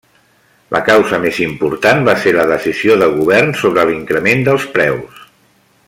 La causa més important va ser la decisió de govern sobre l'increment dels preus.